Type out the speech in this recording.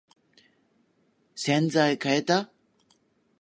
洗剤かえた？